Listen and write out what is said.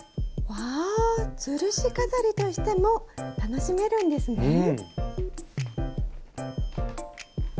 うわぁつるし飾りとしても楽しめるんですね。